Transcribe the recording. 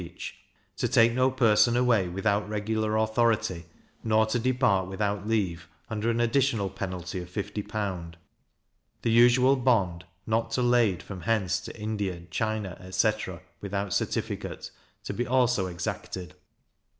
each, to take no person away without regular authority, nor to depart without leave, under an additional penalty of 50L. The usual bond, not to lade from hence to India, China, etc. without certificate, to be also exacted.